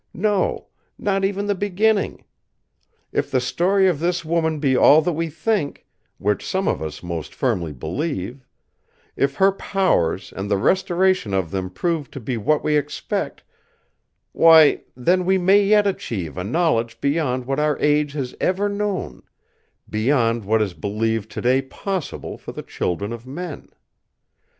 No, not even the beginning! If the story of this woman be all that we think—which some of us most firmly believe; if her powers and the restoration of them prove to be what we expect, why, then we may yet achieve a knowledge beyond what our age has ever known—beyond what is believed today possible for the children of men.